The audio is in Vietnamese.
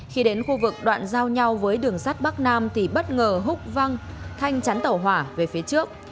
khi đến khu vực đoạn giao nhau với đường sắt bắc nam thì bất ngờ hút văng thanh chắn tàu hỏa về phía trước